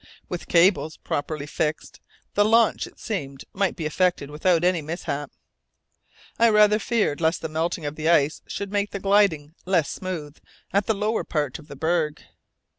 With cables properly fixed, the launch, it seemed, might be effected without any mishap. I rather feared lest the melting of the ice should make the gliding less smooth at the lower part of the berg.